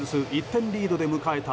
１点リードで迎えた